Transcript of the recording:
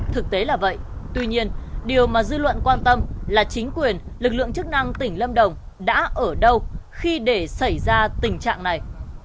thực tế là vậy tuy nhiên điều mà dư luận quan tâm là chính quyền lực lượng chức năng tỉnh lâm đồng đã ở đâu khi để xảy ra tình trạng này